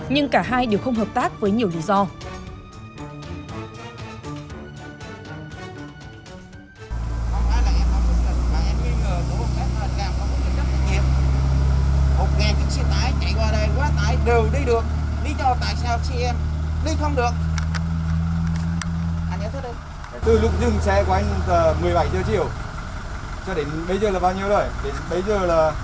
nhưng cả hai đều không hợp tác với nhiều lý do